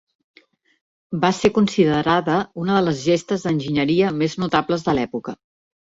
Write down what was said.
Va ser considerada una de les gestes d'enginyeria més notables de l'època.